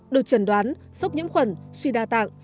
được trần đoán sốc nhiễm khuẩn suy đa tạng